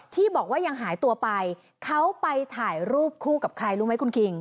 ที่บอกว่ายังหายตัวไปเขาไปถ่ายรูปคู่กับใครรู้ไหมคุณคิง